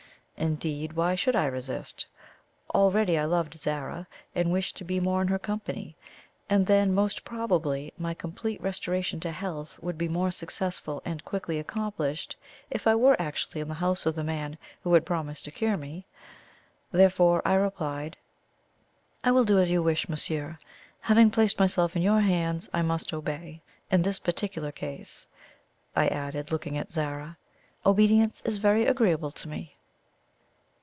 Indeed, why should I resist? Already I loved Zara, and wished to be more in her company; and then, most probably, my complete restoration to health would be more successfully and quickly accomplished if I were actually in the house of the man who had promised to cure me. Therefore I replied: "I will do as you wish, monsieur. Having placed myself in your hands, I must obey. In this particular case," I added, looking at Zara, "obedience is very agreeable to me."